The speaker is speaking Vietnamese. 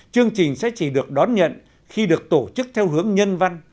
chương trình sẽ chỉ được đón nhận khi được tổ chức theo hướng nhân văn